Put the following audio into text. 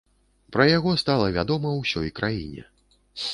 Пра яго стала вядома ўсёй краіне.